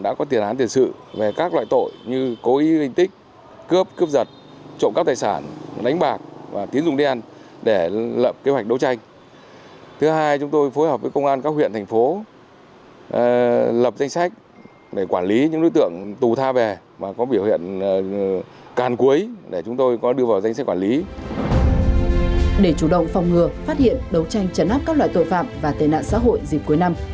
để chủ động phòng ngừa phát hiện đấu tranh chấn áp các loại tội phạm và tên nạn xã hội dịp cuối năm